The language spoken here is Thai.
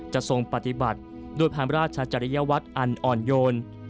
ทรงปฏิบัติด้วยพระราชจริยวัตรอันอ่อนโยน